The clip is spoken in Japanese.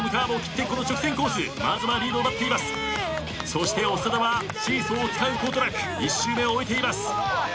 そして長田はシーソーを使うことなく１周目を終えています。